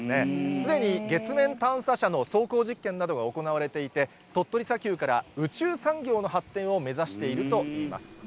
すでに月面探査車の走行実験などが行われていて、鳥取砂丘から宇宙産業の発展を目指しているといいます。